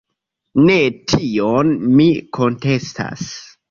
Ne tion mi kontestas.